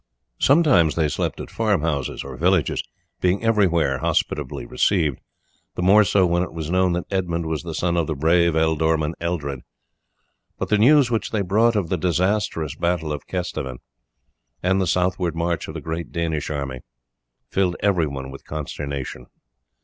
Sometimes they slept at farm houses or villages, being everywhere hospitably received, the more so when it was known that Edmund was the son of the brave ealdorman Eldred; but the news which they brought of the disastrous battle of Kesteven, and the southward march of the great Danish army, filled everyone with consternation.